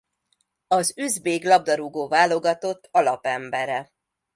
Az üzbég labdarúgó-válogatott alapembere.